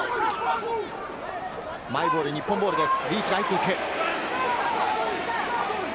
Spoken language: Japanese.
マイボール、日本ボールです。